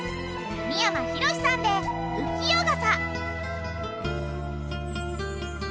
三山ひろしさんで『浮世傘』。